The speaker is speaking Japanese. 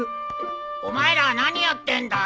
お前ら何やってんだ？